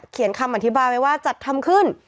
คำอธิบายไว้ว่าจัดทำขึ้น